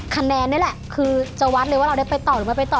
คะแนนนี่แหละคือจะวัดเลยว่าเราได้ไปต่อหรือไม่ไปต่อ